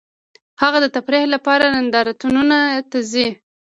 هغه د تفریح لپاره نندارتونونو ته ځي